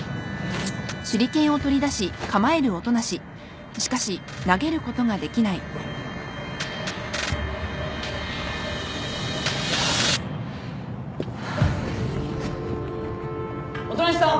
・音無さん。